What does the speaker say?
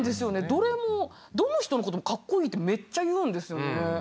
どれもどの人のこともカッコイイってめっちゃ言うんですよね。